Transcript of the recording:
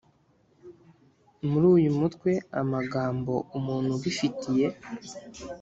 Muri uyu mutwe amagambo umuntu ubifitiye